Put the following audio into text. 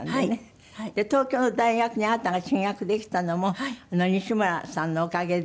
東京の大学にあなたが進学できたのも西村さんのおかげで。